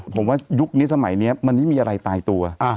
ผมว่ายุคนี้สมัยนี้มันไม่มีอะไรตายตัว